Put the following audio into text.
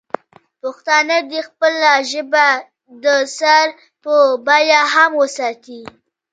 پښتانه دې خپله ژبه د سر په بیه هم وساتي.